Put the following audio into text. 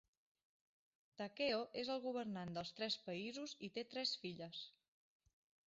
Takeo és el governant dels Tres Països i té tres filles.